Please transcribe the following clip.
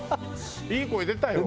いい声出たよ。